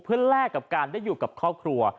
เพื่อแลกกับการได้อยู่กับครอบครัว